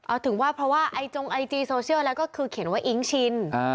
เอาถึงว่าเพราะว่าไอจงไอจีโซเชียลแล้วก็คือเขียนว่าอิ๊งชิน